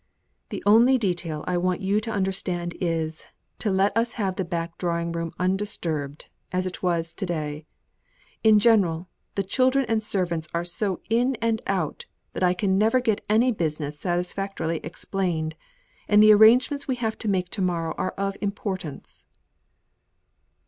"The only detail I want you to understand is, to let us have the back drawing room undisturbed, as it was to day. In general, the children and servants are so in and out, that I can never get any business satisfactorily explained; and the arrangements we have to make to morrow are of importance."